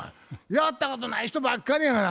やったことない人ばっかりやがな。